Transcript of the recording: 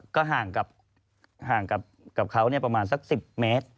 ก็ห่างกับเขาประมาณสัก๑๐เมตร